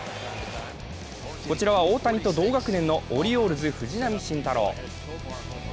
こちらは大谷と同学年のオリオールズ・藤浪晋太郎。